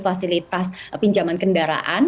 fasilitas pinjaman kendaraan